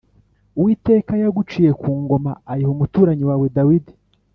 uwiteka yaguciye ku ngoma ayiha umuturanyi wawe dawidi